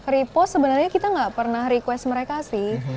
repost sebenarnya kita nggak pernah request mereka sih